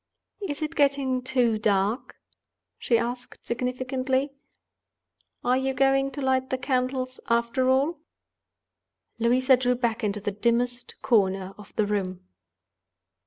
"Is it getting too dark?" she asked, significantly. "Are you going to light the candles, after all?" Louisa drew back into the dimmest corner of the room.